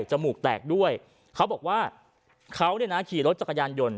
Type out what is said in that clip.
จมูกแตกด้วยเขาบอกว่าเขาขี่รถจักรยานยนต์